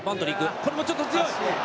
これもちょっと強い。